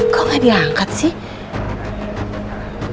kok gak diangkat sih